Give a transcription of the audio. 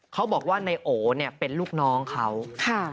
เขาบอกว่านายโอเนี่ยเป็นลูกน้องเขา